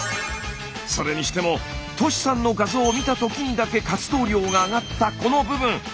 それにしてもトシさんの画像を見た時にだけ活動量が上がったこの部分。